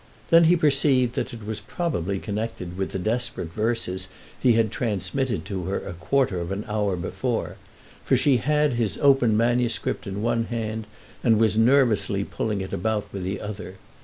Then he perceived that it was probably connected with the desperate verses he had transmitted to her a quarter of an hour before; for she had his open manuscript in one hand and was nervously pulling it about with the other.